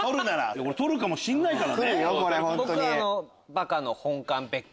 撮るかもしれないから。